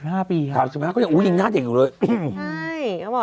ไฮน้องเบ็บ